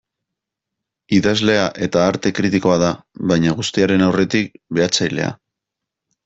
Idazlea eta arte kritikoa da, baina guztiaren aurretik, behatzailea.